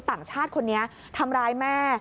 ต่างชาติคนนี้ทำร้ายแม่